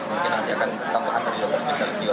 mungkin nanti akan tambahkan di dokter spesial jiwa